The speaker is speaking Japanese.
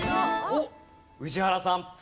おっ宇治原さん。